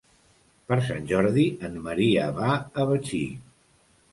Per Sant Jordi en Maria va a Betxí.